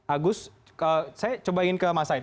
agus saya cobain ke mas said